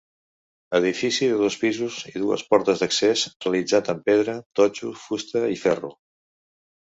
Edifici de dos pisos i dues portes d'accés realitzat amb pedra, totxo, fusta i ferro.